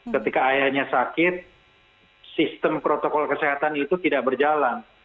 ketika ayahnya sakit sistem protokol kesehatan itu tidak berjalan